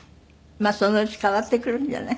まあそのうち変わってくるんじゃない？